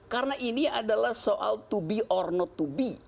karena ini adalah soal to be or not to be